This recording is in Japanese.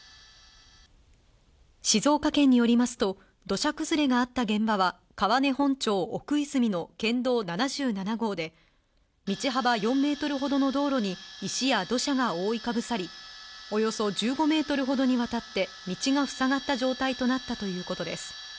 静岡県によりますと、土砂崩れがあった現場は、川根本町おくいずみの県道７７号で、道幅４メートルほどの道路に石や土砂が覆いかぶさり、およそ１５メートルほどにわたって、道が塞がった状態となったということです。